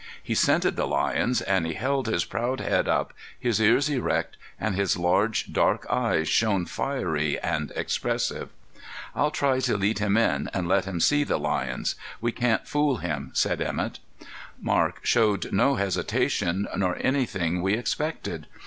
He scented the lions, and he held his proud head up, his ears erect, and his large, dark eyes shone fiery and expressive. "I'll try to lead him in and let him see the lions. We can't fool him," said Emett. Marc showed no hesitation, nor anything we expected.